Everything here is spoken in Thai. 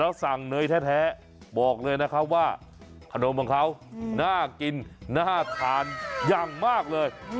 แล้วสั่งเนยแท้บอกเลยนะครับว่าขนมของเขาน่ากินน่าทานอย่างมากเลย